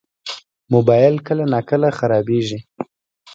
موبایل کله ناکله خرابېږي.